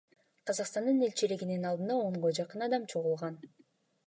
Казакстандын элчилигинин алдына онго жакын адам чогулган.